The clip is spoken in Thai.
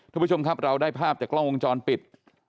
ทุกผู้ชมครับเราได้ภาพจากกล้องวงจรปิด